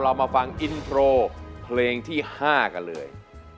เรามาฟังอินโทรเพลงที่๕กันเลย